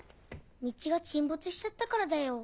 道が沈没しちゃったからだよ。